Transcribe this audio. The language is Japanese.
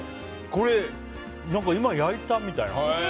これ、今焼いた？みたいな。